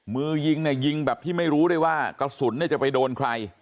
มือยิงเนี่ยยิงแบบที่ไม่รู้ได้ว่ากระสุนจะไปโดนใคร